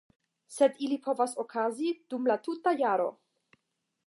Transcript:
Sed ili povas okazi dum la tuta jaro.